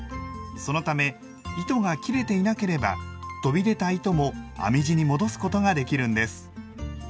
そのため糸が切れていなければ飛び出た糸も編み地に戻すことができるんです。